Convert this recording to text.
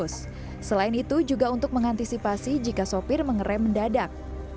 selain itu juga untuk mengantisipasi jika sopir mengerai mendadak